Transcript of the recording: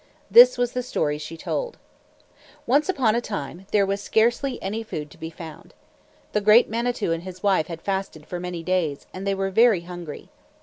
This was the story she told: Once upon a time, there was scarcely any food to be found. The great Manitou and his wife had fasted for many days, and they were very hungry.